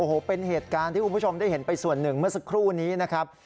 โอ้โหเป็นเหตุการณ์ที่คุณผู้ชมได้เห็นไปส่วนหนึ่งเมื่อสักครู่นี้นะครับ